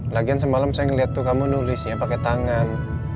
lagian semalam saya ngeliat tuh kamu nulisnya pake tangan